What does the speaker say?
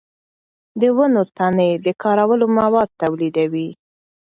د ونو تنې د کارولو مواد تولیدوي.